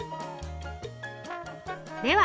では